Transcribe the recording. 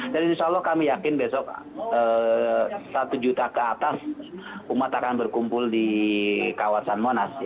insya allah kami yakin besok satu juta ke atas umat akan berkumpul di kawasan monas